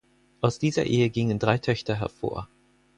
Aus dieser Ehe gingen drei Töchter hervor.